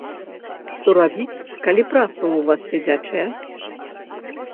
Што рабіць, калі праца ў вас сядзячая?